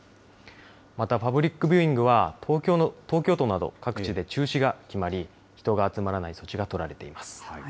またパブリックビューイングは、東京都など各地で中止が決まり、人が集まらない措置が取られています。